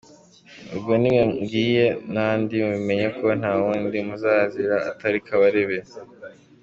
Ubwo nimwe mbwiye, n’abandi mubimenye ko ntawundi muzazira atari Kabarebe.